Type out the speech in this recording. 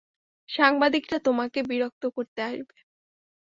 সাংবাদিকরা তোমাকে বিরক্ত করতে আসবে।